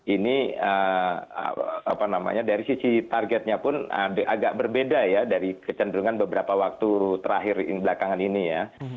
ini apa namanya dari sisi targetnya pun agak berbeda ya dari kecenderungan beberapa waktu terakhir belakangan ini ya